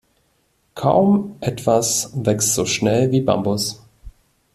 Kaum etwas wächst so schnell wie Bambus.